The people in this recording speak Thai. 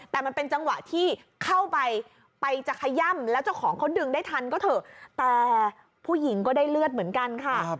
แต่มันเป็นจังหวะที่เข้าไปไปจะขย่ำแล้วเจ้าของเขาดึงได้ทันก็เถอะแต่ผู้หญิงก็ได้เลือดเหมือนกันค่ะ